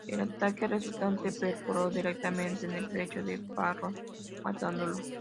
El ataque resultante perforó directamente en el pecho de Saffron, matándolo.